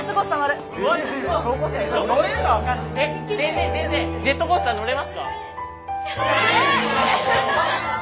先生先生ジェットコースター乗れますか？